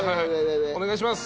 お願いします！